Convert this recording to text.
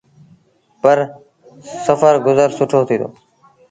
پر سڦر گزر سُٺو ٿيٚتو۔